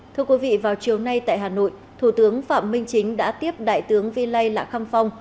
thưa quý vị vào chiều nay tại hà nội thủ tướng phạm minh chính đã tiếp đại tướng vi lây lạ khăm phong